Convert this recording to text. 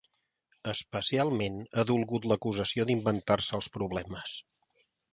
Especialment, ha dolgut l’acusació d’inventar-se els problemes.